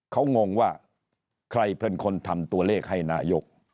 เขางงว่าใครเป็นคนทำตัวเลขให้นายก